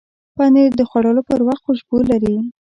پنېر د خوړلو پر وخت خوشبو لري.